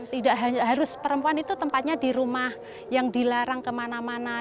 tidak harus perempuan itu tempatnya di rumah yang dilarang kemana mana